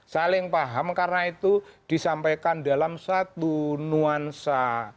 saling paham karena itu disampaikan dalam satu nuansa